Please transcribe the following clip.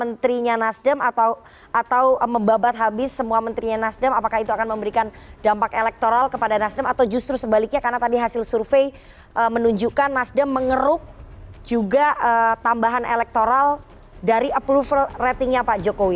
menterinya nasdem atau membabat habis semua menterinya nasdem apakah itu akan memberikan dampak elektoral kepada nasdem atau justru sebaliknya karena tadi hasil survei menunjukkan nasdem mengeruk juga tambahan elektoral dari approval ratingnya pak jokowi